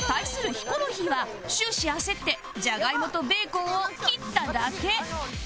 ヒコロヒーは終始焦ってジャガイモとベーコンを切っただけ